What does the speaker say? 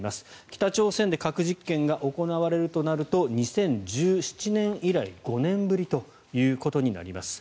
北朝鮮で核実験が行われるとなると２０１７年以来５年ぶりということになります。